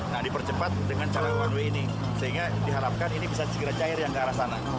nah dipercepat dengan cara one way ini sehingga diharapkan ini bisa segera cair yang ke arah sana